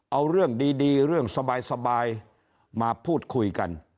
เอาเรื่องดีเรื่องสบายมาพูดคุยกัน